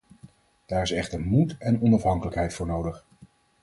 Daar is echter moed en onafhankelijkheid voor nodig.